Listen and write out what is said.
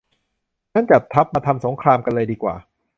งั้นจัดทัพ มาทำสงครามกันเลยดีกว่า !